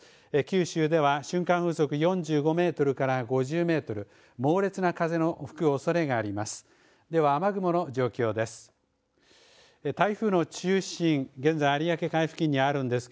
九州では瞬間風速４５メートルから５０メートル猛烈な風の吹くおそれがあります。